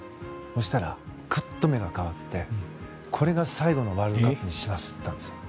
そうしたら、目が変わってこれが最後のワールドカップにしますと言ったんです。